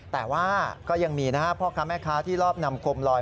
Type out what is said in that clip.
แต่ว่าก็ยังมีพ่อค้าแม่ค้าที่รอบนำโคมลอย